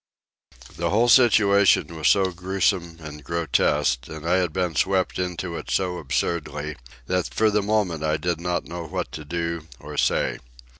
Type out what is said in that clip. The whole situation was so gruesome and grotesque, and I had been swept into it so absurdly, that for the moment I did not know what to do or say.